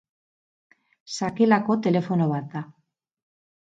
Sakelako telefono bat da.